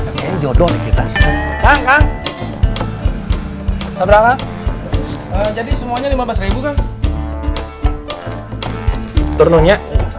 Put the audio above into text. di luar nih ya